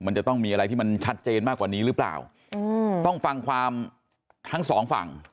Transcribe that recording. มันจะต้องมีอะไรที่มันชัดเจนมากกว่านี้หรือเปล่าอืมต้องฟังความทั้งสองฝั่ง